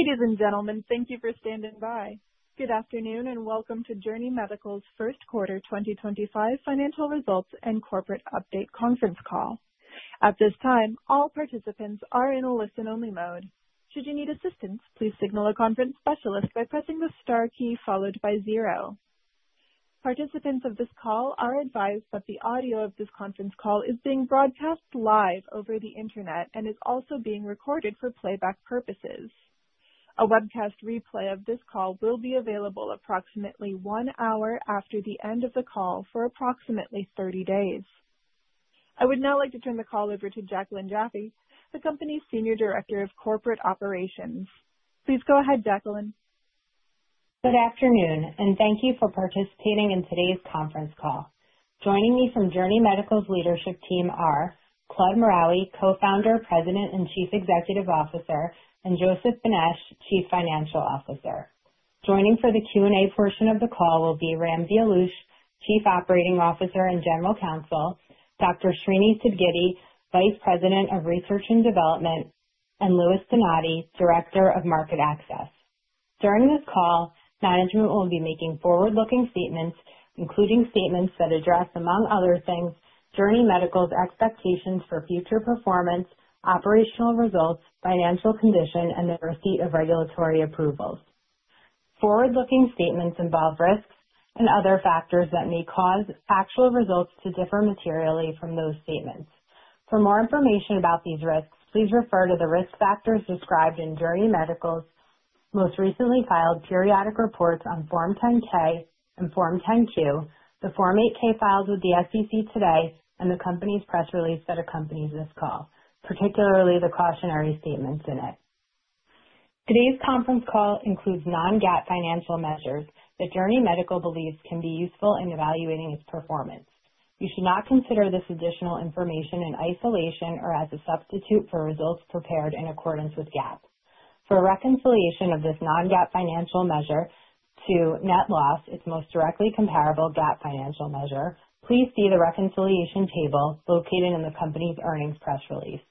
Ladies and gentlemen, thank you for standing by. Good afternoon and welcome to Journey Medical's first quarter 2025 financial results and corporate update conference call. At this time, all participants are in a listen-only mode. Should you need assistance, please signal a conference specialist by pressing the star key followed by zero. Participants of this call are advised that the audio of this conference call is being broadcast live over the internet and is also being recorded for playback purposes. A webcast replay of this call will be available approximately one hour after the end of the call for approximately 30 days. I would now like to turn the call over to Jaclyn Jaffe, the company's Senior Director of Corporate Operations. Please go ahead, Jaclyn. Good afternoon, and thank you for participating in today's conference call. Joining me from Journey Medical's leadership team are Claude Maraoui, Co-founder, President, and Chief Executive Officer, and Joseph Benesch, Chief Financial Officer. Joining for the Q&A portion of the call will be Ramsey Alloush, Chief Operating Officer and General Counsel, Dr. Srinivas Sidgiddi, Vice President of Research and Development, and Louis Donati, Director of Market Access. During this call, management will be making forward-looking statements, including statements that address, among other things, Journey Medical's expectations for future performance, operational results, financial condition, and the receipt of regulatory approvals. Forward-looking statements involve risks and other factors that may cause actual results to differ materially from those statements. For more information about these risks, please refer to the risk factors described in Journey Medical's most recently filed periodic reports on Form 10-K and Form 10-Q, the Form 8-K filed with the SEC today, and the company's press release that accompanies this call, particularly the cautionary statements in it. Today's conference call includes non-GAAP financial measures that Journey Medical believes can be useful in evaluating its performance. You should not consider this additional information in isolation or as a substitute for results prepared in accordance with GAAP. For reconciliation of this non-GAAP financial measure to net loss, its most directly comparable GAAP financial measure, please see the reconciliation table located in the company's earnings press release.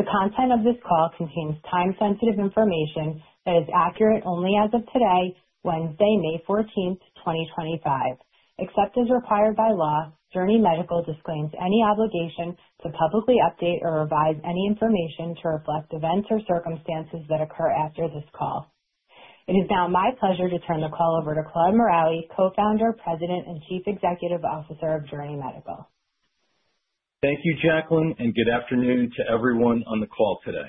The content of this call contains time-sensitive information that is accurate only as of today, Wednesday, May 14th, 2025. Except as required by law, Journey Medical disclaims any obligation to publicly update or revise any information to reflect events or circumstances that occur after this call. It is now my pleasure to turn the call over to Claude Maraoui, Co-founder, President, and Chief Executive Officer of Journey Medical. Thank you, Jaclyn, and good afternoon to everyone on the call today.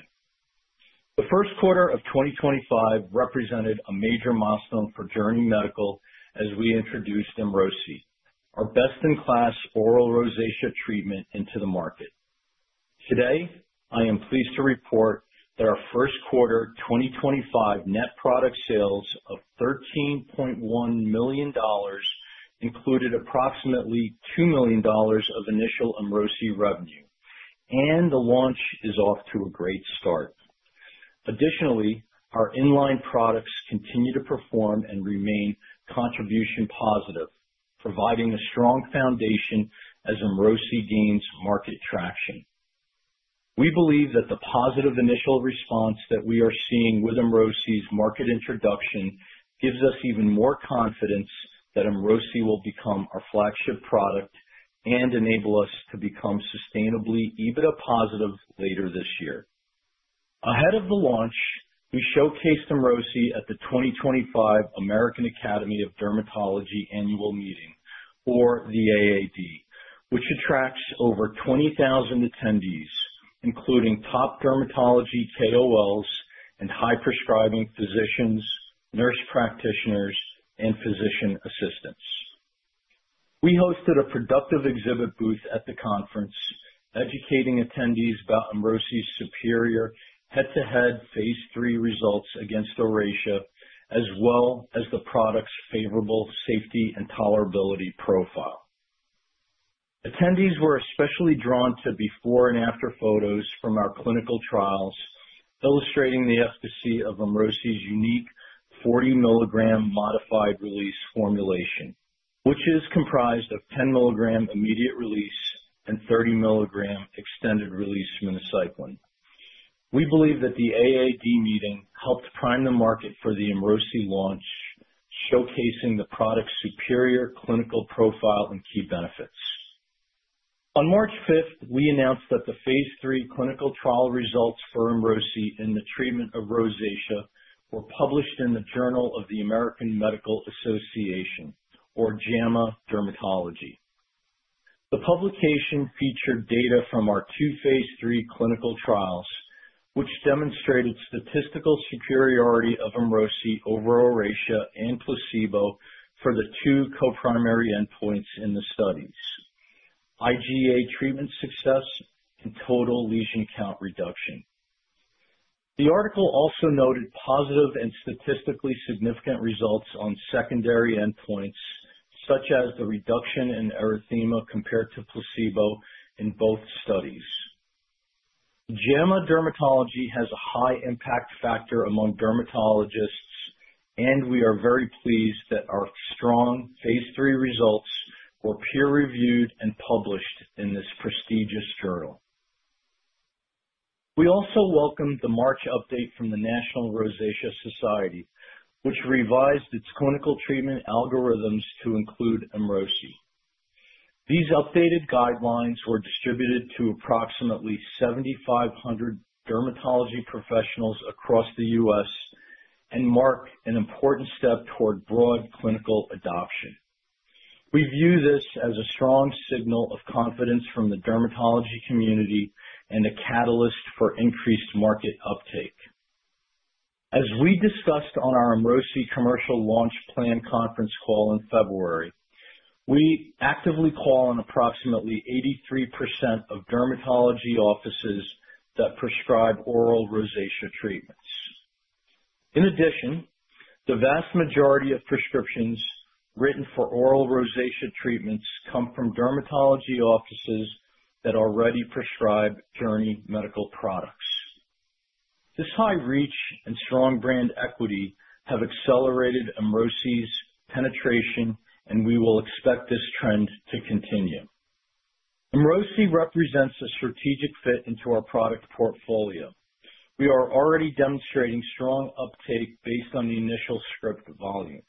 The first quarter of 2025 represented a major milestone for Journey Medical as we introduced EMROSI, our best-in-class oral rosacea treatment, into the market. Today, I am pleased to report that our first quarter 2025 net product sales of $13.1 million included approximately $2 million of initial EMROSI revenue, and the launch is off to a great start. Additionally, our inline products continue to perform and remain contribution positive, providing a strong foundation as EMROSI gains market traction. We believe that the positive initial response that we are seeing with EMROSI's market introduction gives us even more confidence that EMROSI will become our flagship product and enable us to become sustainably EBITDA positive later this year. Ahead of the launch, we showcased EMROSI at the 2025 American Academy of Dermatology annual meeting, or the AAD, which attracts over 20,000 attendees, including top dermatology KOLs and high-prescribing physicians, nurse practitioners, and physician assistants. We hosted a productive exhibit booth at the conference, educating attendees about EMROSI's superior head-to-head phase III results against Oracea, as well as the product's favorable safety and tolerability profile. Attendees were especially drawn to before and after photos from our clinical trials, illustrating the efficacy of EMROSI's unique 40 mg modified release formulation, which is comprised of 10 mg immediate release and 30 mg extended release minocycline. We believe that the AAD meeting helped prime the market for the EMROSI launch, showcasing the product's superior clinical profile and key benefits. On March 5th, we announced that the phase III clinical trial results for EMROSI in the treatment of rosacea were published in the Journal of the American Medical Association, or JAMA Dermatology. The publication featured data from our two phase III clinical trials, which demonstrated statistical superiority of EMROSI over Oracea and placebo for the two co-primary endpoints in the studies: IGA treatment success and total lesion count reduction. The article also noted positive and statistically significant results on secondary endpoints, such as the reduction in erythema compared to placebo in both studies. JAMA Dermatology has a high impact factor among dermatologists, and we are very pleased that our strong phase III results were peer-reviewed and published in this prestigious journal. We also welcomed the March update from the National Rosacea Society, which revised its clinical treatment algorithms to include EMROSI. These updated guidelines were distributed to approximately 7,500 dermatology professionals across the U.S. and mark an important step toward broad clinical adoption. We view this as a strong signal of confidence from the dermatology community and a catalyst for increased market uptake. As we discussed on our EMROSI commercial launch plan conference call in February, we actively call on approximately 83% of dermatology offices that prescribe oral rosacea treatments. In addition, the vast majority of prescriptions written for oral rosacea treatments come from dermatology offices that already prescribe Journey Medical products. This high reach and strong brand equity have accelerated EMROSI's penetration, and we will expect this trend to continue. EMROSI represents a strategic fit into our product portfolio. We are already demonstrating strong uptake based on the initial script volumes.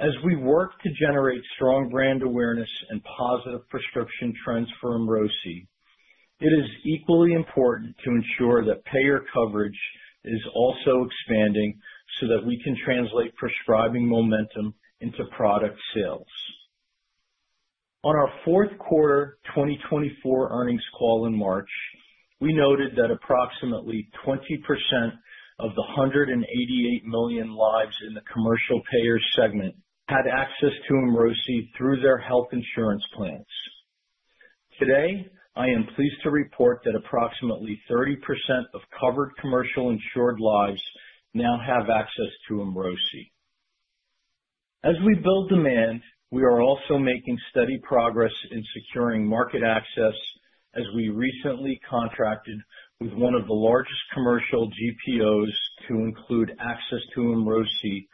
As we work to generate strong brand awareness and positive prescription trends for EMROSI, it is equally important to ensure that payer coverage is also expanding so that we can translate prescribing momentum into product sales. On our fourth quarter 2024 earnings call in March, we noted that approximately 20% of the 188 million lives in the commercial payer segment had access to EMROSI through their health insurance plans. Today, I am pleased to report that approximately 30% of covered commercial insured lives now have access to EMROSI. As we build demand, we are also making steady progress in securing market access as we recently contracted with one of the largest commercial GPOs to include access to EMROSI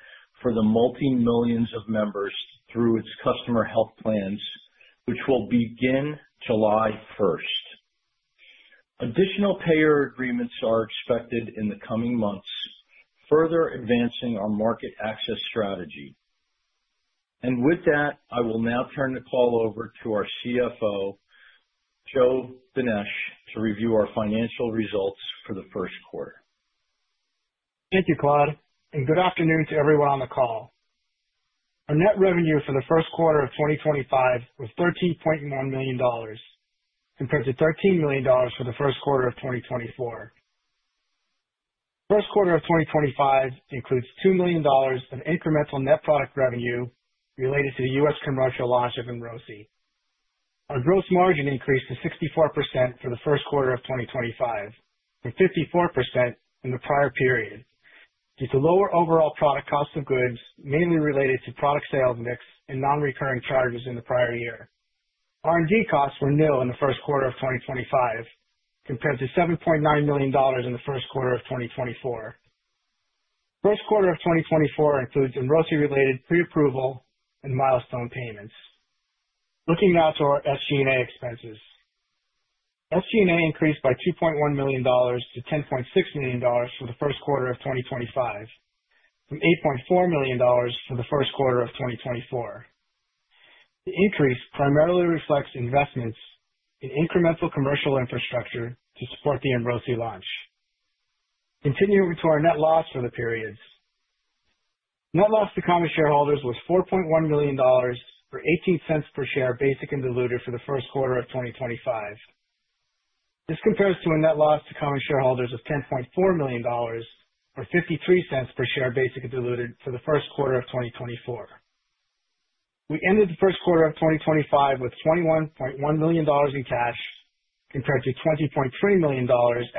for the multi-millions of members through its customer health plans, which will begin July 1st. Additional payer agreements are expected in the coming months, further advancing our market access strategy. With that, I will now turn the call over to our CFO, Joe Benesch, to review our financial results for the first quarter. Thank you, Claude, and good afternoon to everyone on the call. Our net revenue for the first quarter of 2025 was $13.1 million compared to $13 million for the first quarter of 2024. The first quarter of 2025 includes $2 million of incremental net product revenue related to the U.S. commercial launch of EMROSI. Our gross margin increased to 64% for the first quarter of 2025, from 54% in the prior period, due to lower overall product cost of goods, mainly related to product sales mix and non-recurring charges in the prior year. R&D costs were new in the first quarter of 2025 compared to $7.9 million in the first quarter of 2024. The first quarter of 2024 includes EMROSI-related pre-approval and milestone payments. Looking now to our SG&A expenses, SG&A increased by $2.1 million to $10.6 million for the first quarter of 2025, from $8.4 million for the first quarter of 2024. The increase primarily reflects investments in incremental commercial infrastructure to support the EMROSI launch. Continuing to our net loss for the periods, net loss to common shareholders was $4.1 million or $0.18 per share basic and diluted for the first quarter of 2025. This compares to a net loss to common shareholders of $10.4 million or $0.53 per share basic and diluted for the first quarter of 2024. We ended the first quarter of 2025 with $21.1 million in cash compared to $20.3 million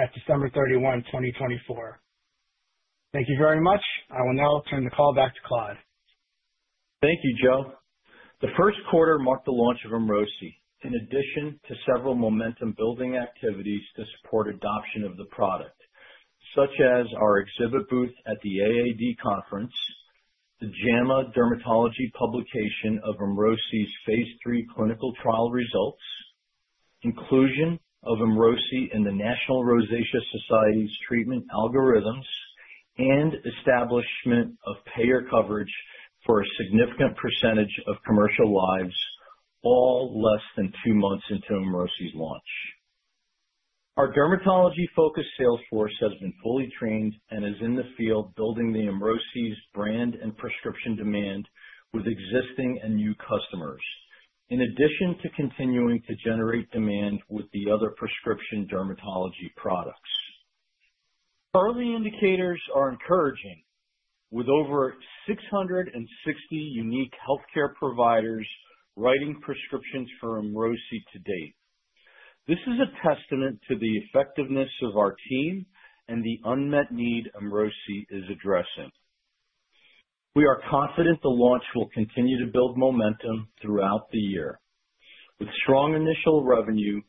at December 31, 2024. Thank you very much. I will now turn the call back to Claude. Thank you, Joe. The first quarter marked the launch of EMROSI, in addition to several momentum-building activities to support adoption of the product, such as our exhibit booth at the AAD conference, the JAMA Dermatology publication of EMROSI's phase III clinical trial results, inclusion of EMROSI in the National Rosacea Society's treatment algorithms, and establishment of payer coverage for a significant percentage of commercial lives, all less than two months into EMROSI's launch. Our dermatology-focused sales force has been fully trained and is in the field building the EMROSI brand and prescription demand with existing and new customers, in addition to continuing to generate demand with the other prescription dermatology products. Early indicators are encouraging, with over 660 unique healthcare providers writing prescriptions for EMROSI to date. This is a testament to the effectiveness of our team and the unmet need EMROSI is addressing. We are confident the launch will continue to build momentum throughout the year. With strong initial revenue,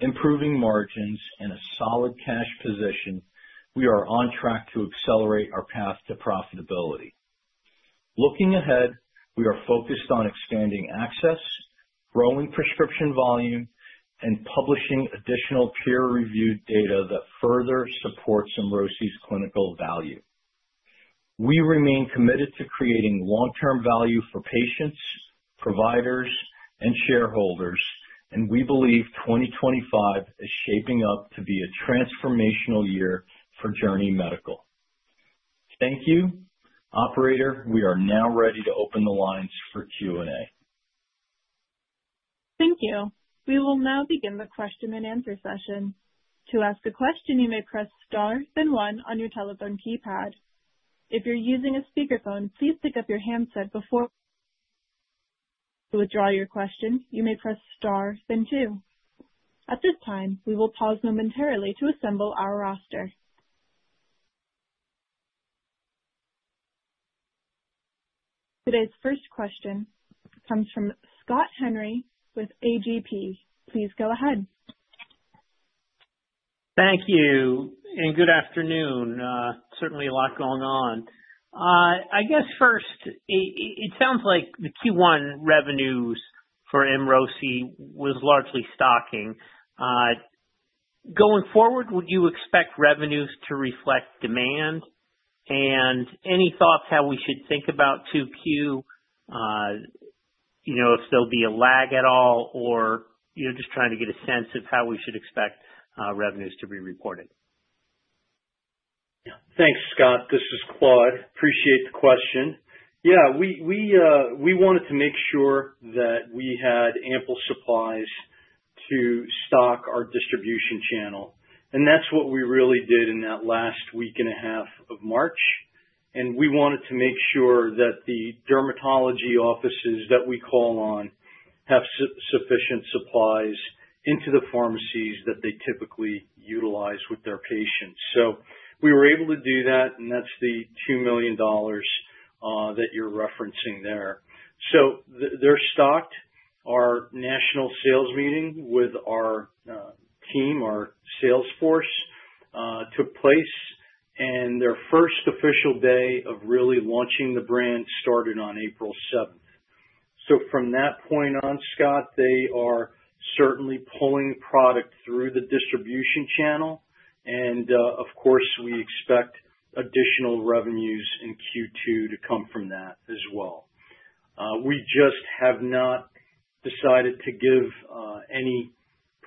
improving margins, and a solid cash position, we are on track to accelerate our path to profitability. Looking ahead, we are focused on expanding access, growing prescription volume, and publishing additional peer-reviewed data that further supports EMROSI's clinical value. We remain committed to creating long-term value for patients, providers, and shareholders, and we believe 2025 is shaping up to be a transformational year for Journey Medical. Thank you. Operator, we are now ready to open the lines for Q&A. Thank you. We will now begin the question and answer session. To ask a question, you may press star then one on your telephone keypad. If you're using a speakerphone, please pick up your handset before you withdraw your question. You may press star then two. At this time, we will pause momentarily to assemble our roster. Today's first question comes from Scott Henry with AGP. Please go ahead. Thank you, and good afternoon. Certainly a lot going on. I guess first, it sounds like the Q1 revenues for EMROSI were largely stocking. Going forward, would you expect revenues to reflect demand? Any thoughts on how we should think about Q2, if there'll be a lag at all, or just trying to get a sense of how we should expect revenues to be reported? Thanks, Scott. This is Claude. Appreciate the question. Yeah, we wanted to make sure that we had ample supplies to stock our distribution channel, and that's what we really did in that last week and a half of March. We wanted to make sure that the dermatology offices that we call on have sufficient supplies into the pharmacies that they typically utilize with their patients. We were able to do that, and that's the $2 million that you're referencing there. They're stocked. Our national sales meeting with our team, our sales force, took place, and their first official day of really launching the brand started on April 7. From that point on, Scott, they are certainly pulling product through the distribution channel, and of course, we expect additional revenues in Q2 to come from that as well. We just have not decided to give any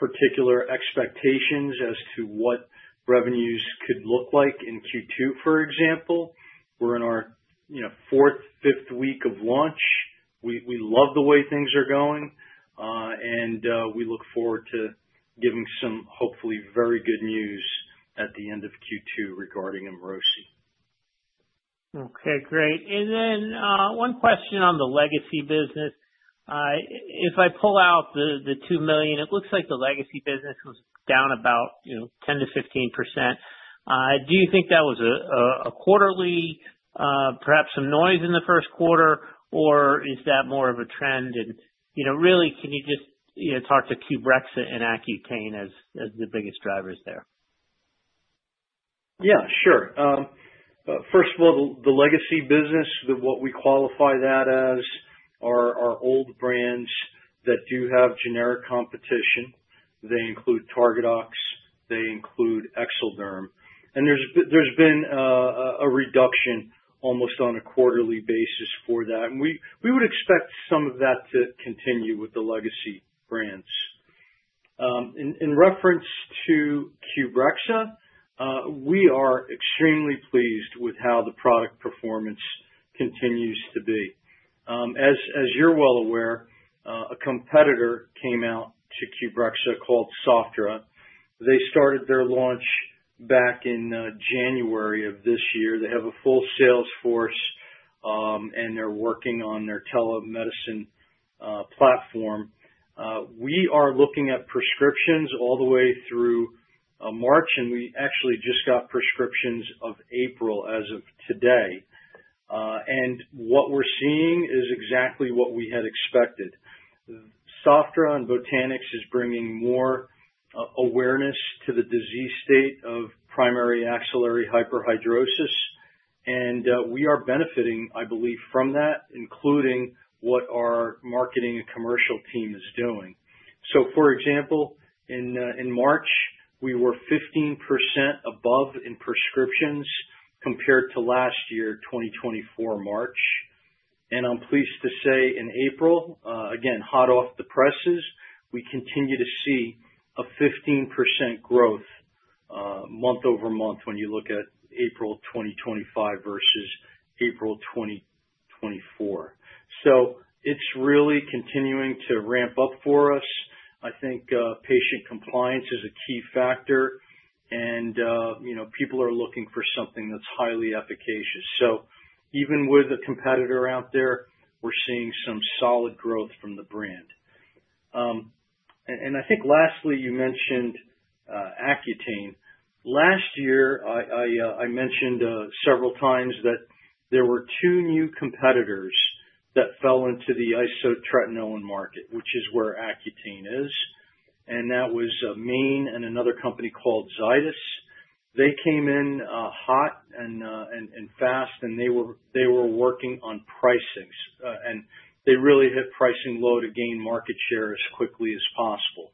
particular expectations as to what revenues could look like in Q2, for example. We're in our fourth, fifth week of launch. We love the way things are going, and we look forward to giving some, hopefully, very good news at the end of Q2 regarding EMROSI. Okay, great. Then one question on the legacy business. If I pull out the $2 million, it looks like the legacy business was down about 10-15%. Do you think that was a quarterly, perhaps some noise in the first quarter, or is that more of a trend? Really, can you just talk to Qbrexza and Accutane as the biggest drivers there? Yeah, sure. First of all, the legacy business, what we qualify that as, are old brands that do have generic competition. They include Targadox, they include Exelderm, and there's been a reduction almost on a quarterly basis for that. We would expect some of that to continue with the legacy brands. In reference to Qbrexza, we are extremely pleased with how the product performance continues to be. As you're well aware, a competitor came out to Qbrexza called Sofdra. They started their launch back in January of this year. They have a full sales force, and they're working on their telemedicine platform. We are looking at prescriptions all the way through March, and we actually just got prescriptions of April as of today. What we're seeing is exactly what we had expected. Sofdra and Botanix is bringing more awareness to the disease state of primary axillary hyperhidrosis, and we are benefiting, I believe, from that, including what our marketing and commercial team is doing. For example, in March, we were 15% above in prescriptions compared to last year, 2024 March. I'm pleased to say in April, again, hot off the presses, we continue to see a 15% growth month-over-month when you look at April 2025 versus April 2024. It is really continuing to ramp up for us. I think patient compliance is a key factor, and people are looking for something that's highly efficacious. Even with a competitor out there, we're seeing some solid growth from the brand. I think lastly, you mentioned Accutane. Last year, I mentioned several times that there were two new competitors that fell into the isotretinoin market, which is where Accutane is, and that was Maine and another company called Zydis. They came in hot and fast, and they were working on pricing, and they really hit pricing low to gain market share as quickly as possible.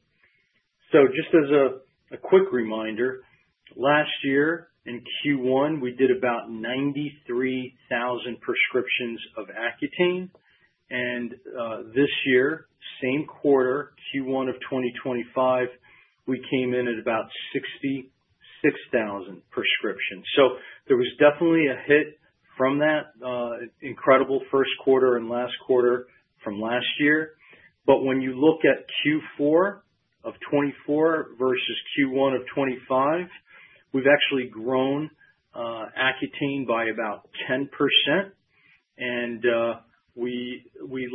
Just as a quick reminder, last year in Q1, we did about 93,000 prescriptions of Accutane, and this year, same quarter, Q1 of 2025, we came in at about 66,000 prescriptions. There was definitely a hit from that incredible first quarter and last quarter from last year. When you look at Q4 of 2024 versus Q1 of 2025, we've actually grown Accutane by about 10%, and we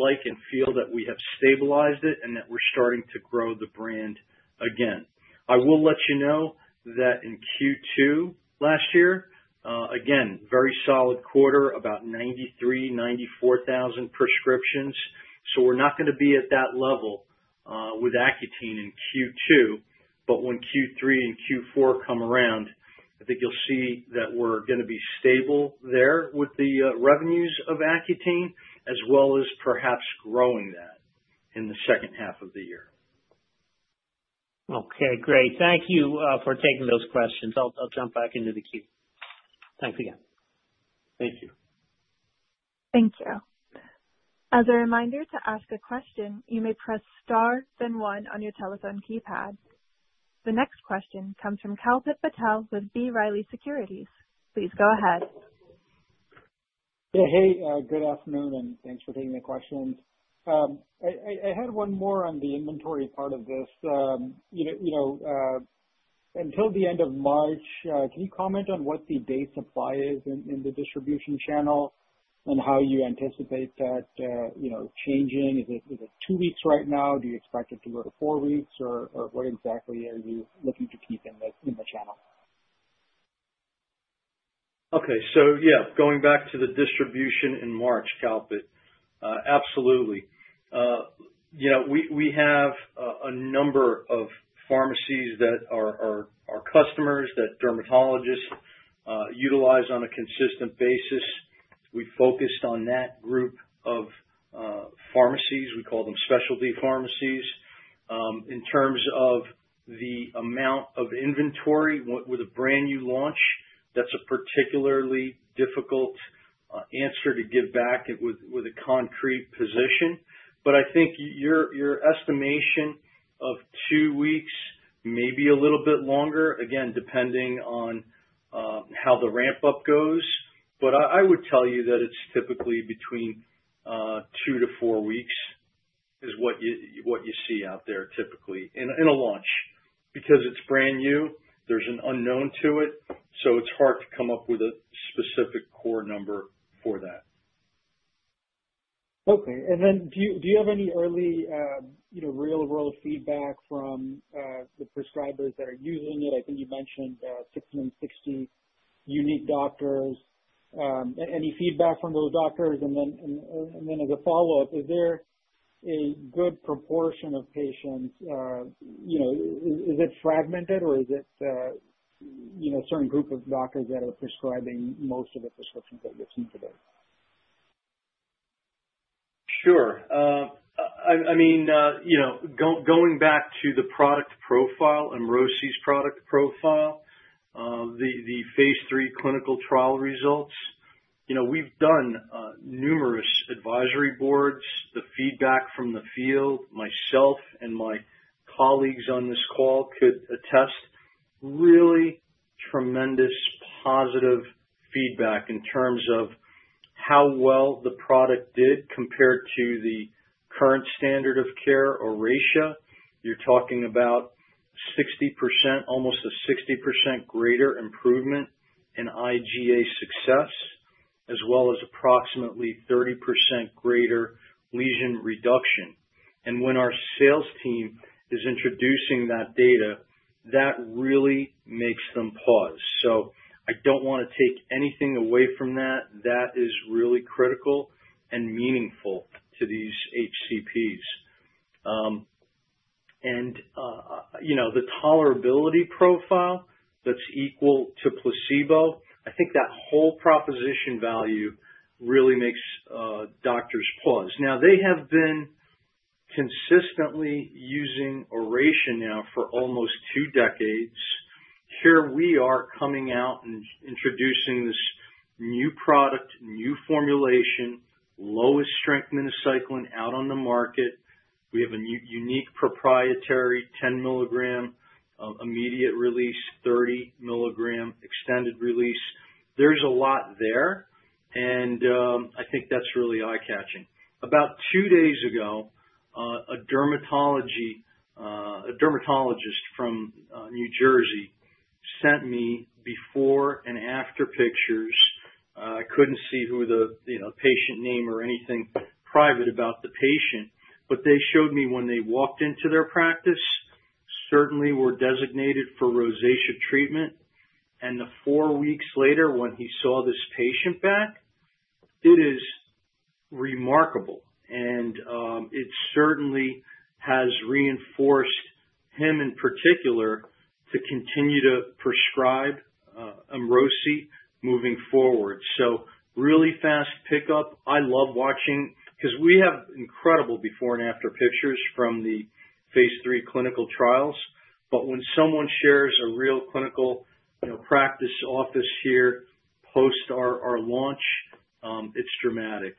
like and feel that we have stabilized it and that we're starting to grow the brand again. I will let you know that in Q2 last year, again, very solid quarter, about 93,000-94,000 prescriptions. So we're not going to be at that level with Accutane in Q2, but when Q3 and Q4 come around, I think you'll see that we're going to be stable there with the revenues of Accutane, as well as perhaps growing that in the second half of the year. Okay, great. Thank you for taking those questions. I'll jump back into the queue. Thanks again. Thank you. Thank you. As a reminder to ask a question, you may press star then one on your telephone keypad. The next question comes from Kalpit Patel with B. Riley Securities. Please go ahead. Yeah, hey, good afternoon, and thanks for taking the question. I had one more on the inventory part of this. Until the end of March, can you comment on what the day supply is in the distribution channel and how you anticipate that changing? Is it two weeks right now? Do you expect it to go to four weeks, or what exactly are you looking to keep in the channel? Okay, so yeah, going back to the distribution in March, Kalpit, absolutely. We have a number of pharmacies that are our customers that dermatologists utilize on a consistent basis. We focused on that group of pharmacies. We call them specialty pharmacies. In terms of the amount of inventory with a brand new launch, that's a particularly difficult answer to give back with a concrete position. I think your estimation of two weeks, maybe a little bit longer, again, depending on how the ramp-up goes. I would tell you that it's typically between two to four weeks is what you see out there typically in a launch because it's brand new. There's an unknown to it, so it's hard to come up with a specific core number for that. Okay. Do you have any early real-world feedback from the prescribers that are using it? I think you mentioned 660 unique doctors. Any feedback from those doctors? As a follow-up, is there a good proportion of patients? Is it fragmented, or is it a certain group of doctors that are prescribing most of the prescriptions that you are seeing today? Sure. I mean, going back to the product profile, EMROSI's product profile, the phase III clinical trial results, we've done numerous advisory boards. The feedback from the field, myself and my colleagues on this call could attest to really tremendous positive feedback in terms of how well the product did compared to the current standard of care or Oracea. You're talking about almost a 60% greater improvement in IGA success, as well as approximately 30% greater lesion reduction. When our sales team is introducing that data, that really makes them pause. I don't want to take anything away from that. That is really critical and meaningful to these HCPs. The tolerability profile that's equal to placebo, I think that whole proposition value really makes doctors pause. They have been consistently using Oracea now for almost two decades. Here we are coming out and introducing this new product, new formulation, lowest-strength minocycline out on the market. We have a unique proprietary 10 mg immediate release, 30 mg extended release. There's a lot there, and I think that's really eye-catching. About two days ago, a dermatologist from New Jersey sent me before and after pictures. I couldn't see who the patient name or anything private about the patient, but they showed me when they walked into their practice, certainly were designated for rosacea treatment. Four weeks later, when he saw this patient back, it is remarkable, and it certainly has reinforced him in particular to continue to prescribe EMROSI moving forward. Really fast pickup. I love watching because we have incredible before and after pictures from the phase III clinical trials. When someone shares a real clinical practice office here post our launch, it's dramatic.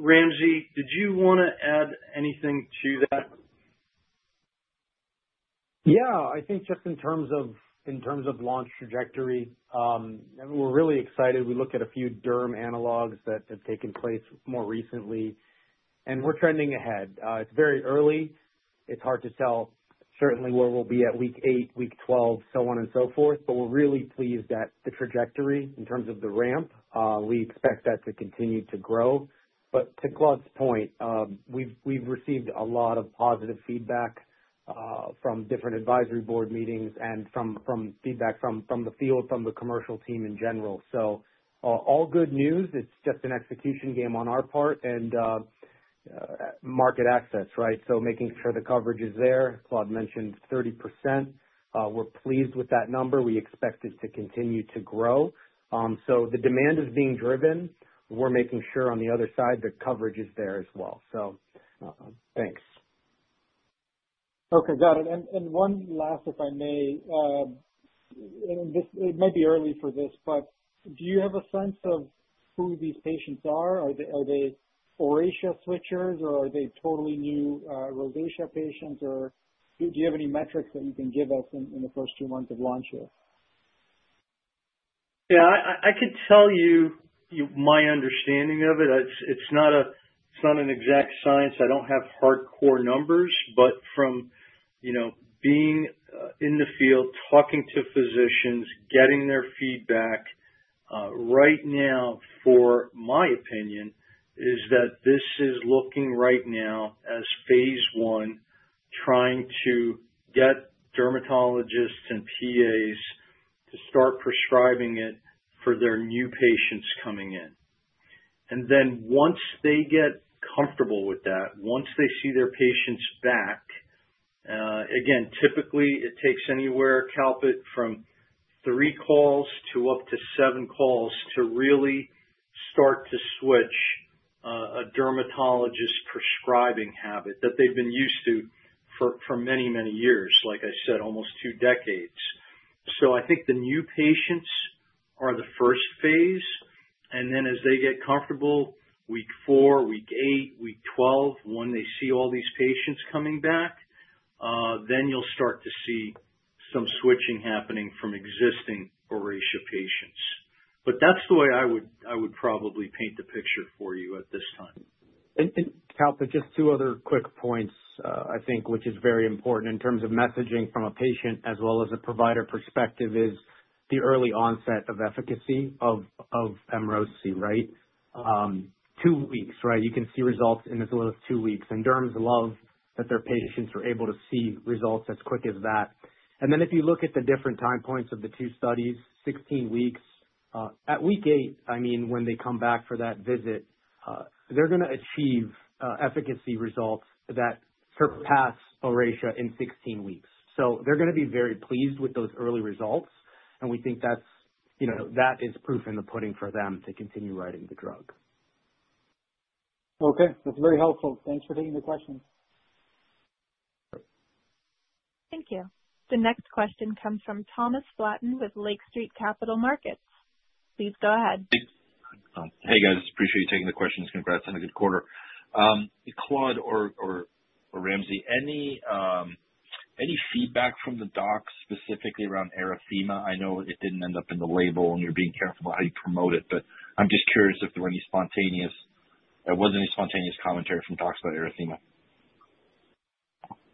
Ramsey, did you want to add anything to that? Yeah, I think just in terms of launch trajectory, we're really excited. We look at a few derm analogs that have taken place more recently, and we're trending ahead. It's very early. It's hard to tell, certainly, where we'll be at week 8, week 12, so on and so forth, but we're really pleased that the trajectory in terms of the ramp, we expect that to continue to grow. To Claude's point, we've received a lot of positive feedback from different advisory board meetings and from feedback from the field, from the commercial team in general. All good news. It's just an execution game on our part and market access, right? Making sure the coverage is there. Claude mentioned 30%. We're pleased with that number. We expect it to continue to grow. The demand is being driven. We're making sure on the other side the coverage is there as well. Thanks. Okay, got it. One last, if I may, and it might be early for this, but do you have a sense of who these patients are? Are they Oracea switchers, or are they totally new rosacea patients, or do you have any metrics that you can give us in the first few months of launch here? Yeah, I could tell you my understanding of it. It's not an exact science. I don't have hardcore numbers, but from being in the field, talking to physicians, getting their feedback, right now, for my opinion, is that this is looking right now as phase one, trying to get dermatologists and PAs to start prescribing it for their new patients coming in. Once they get comfortable with that, once they see their patients back, again, typically, it takes anywhere, Kalpit, from three calls to up to seven calls to really start to switch a dermatologist prescribing habit that they've been used to for many, many years, like I said, almost two decades. I think the new patients are the first phase, and then as they get comfortable, week 4, week 8, week 12, when they see all these patients coming back, you'll start to see some switching happening from existing Oracea patients. That's the way I would probably paint the picture for you at this time. Kalpit, just two other quick points, I think, which is very important in terms of messaging from a patient as well as a provider perspective, is the early onset of efficacy of EMROSI, right? Two weeks, right? You can see results in as little as two weeks, and derms love that their patients are able to see results as quick as that. If you look at the different time points of the two studies, 16 weeks, at week 8, I mean, when they come back for that visit, they're going to achieve efficacy results that surpass Oracea in 16 weeks. They are going to be very pleased with those early results, and we think that is proof in the pudding for them to continue writing the drug. Okay, that's very helpful. Thanks for taking the question. Thank you. The next question comes from Thomas Flaten with Lake Street Capital Markets. Please go ahead. Hey, guys. Appreciate you taking the questions. Congrats on a good quarter. Claude or Ramsey, any feedback from the docs specifically around erythema? I know it didn't end up in the label, and you're being careful how you promote it, but I'm just curious if there was any spontaneous commentary from docs about erythema.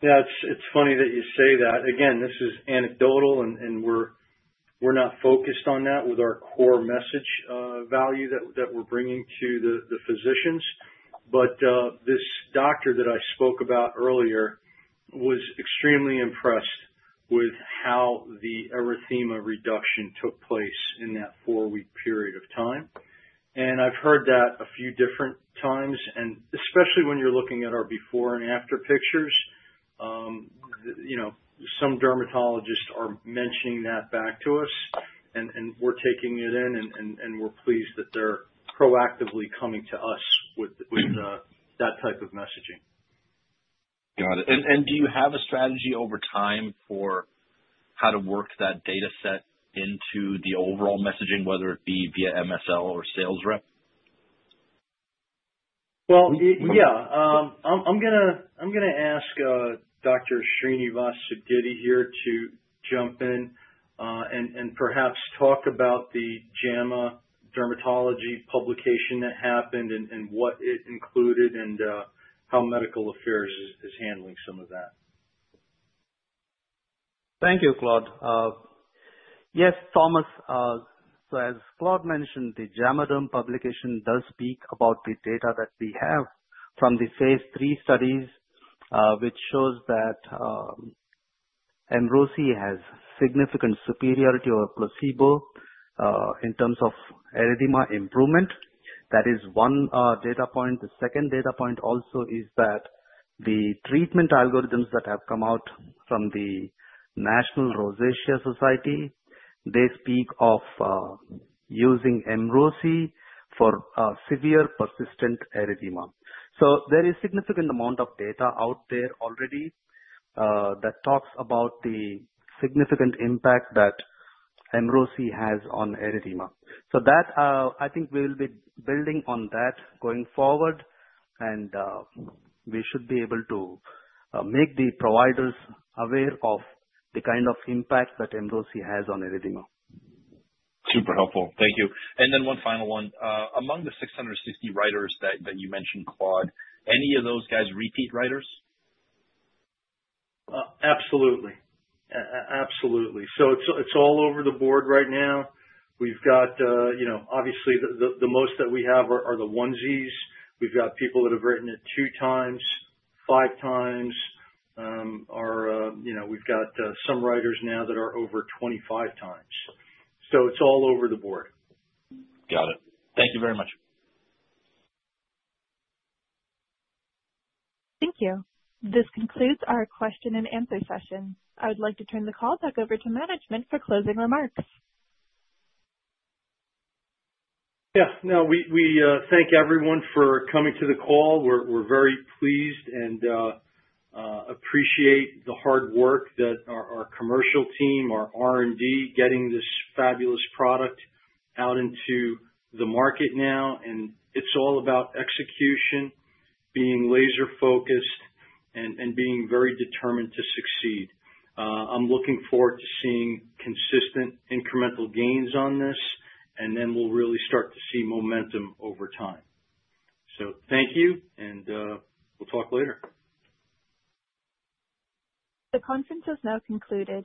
Yeah, it's funny that you say that. Again, this is anecdotal, and we're not focused on that with our core message value that we're bringing to the physicians. This doctor that I spoke about earlier was extremely impressed with how the erythema reduction took place in that four-week period of time. I've heard that a few different times, and especially when you're looking at our before and after pictures, some dermatologists are mentioning that back to us, and we're taking it in, and we're pleased that they're proactively coming to us with that type of messaging. Got it. Do you have a strategy over time for how to work that data set into the overall messaging, whether it be via MSL or sales rep? I'm going to ask Dr. Srinivas Sidgiddi here to jump in and perhaps talk about the JAMA Dermatology publication that happened and what it included and how Medical Affairs is handling some of that. Thank you, Claude. Yes, Thomas, as Claude mentioned, the JAMA Derm publication does speak about the data that we have from the phase III studies, which shows that EMROSI has significant superiority over placebo in terms of erythema improvement. That is one data point. The second data point also is that the treatment algorithms that have come out from the National Rosacea Society, they speak of using EMROSI for severe persistent erythema. There is a significant amount of data out there already that talks about the significant impact that EMROSI has on erythema. I think we'll be building on that going forward, and we should be able to make the providers aware of the kind of impact that EMROSI has on erythema. Super helpful. Thank you. One final one. Among the 660 writers that you mentioned, Claude, any of those guys repeat writers? Absolutely. Absolutely. It is all over the board right now. We have, obviously, the most that we have are the onesies. We have people that have written it two times, five times. We have some writers now that are over 25 times. It is all over the board. Got it. Thank you very much. Thank you. This concludes our question and answer session. I would like to turn the call back over to management for closing remarks. Yeah. No, we thank everyone for coming to the call. We're very pleased and appreciate the hard work that our commercial team, our R&D, are getting this fabulous product out into the market now. It's all about execution, being laser-focused, and being very determined to succeed. I'm looking forward to seeing consistent incremental gains on this, and then we'll really start to see momentum over time. Thank you, and we'll talk later. The conference has now concluded.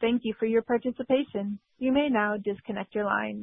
Thank you for your participation. You may now disconnect your line.